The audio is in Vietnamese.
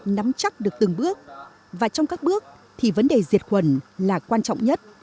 nắm chắc được từng bước và trong các bước thì vấn đề diệt khuẩn là quan trọng nhất